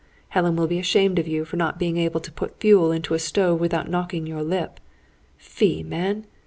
Helen will be ashamed of you for not being able to put fuel into a stove without knocking your lip. Fie, man!